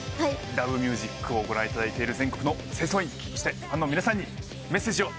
『Ｌｏｖｅｍｕｓｉｃ』をご覧いただいている全国の清掃員そしてファンの皆さんにメッセージを。